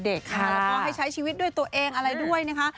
แล้วก็ให้ใช้ชีวิตด้วยตัวเองอะไรด้วยนะคะ